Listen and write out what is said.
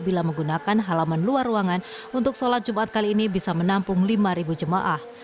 bila menggunakan halaman luar ruangan untuk sholat jumat kali ini bisa menampung lima jemaah